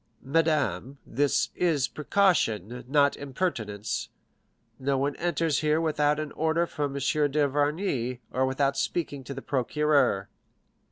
"Madame, this is precaution, not impertinence; no one enters here without an order from M. d'Avrigny, or without speaking to the procureur."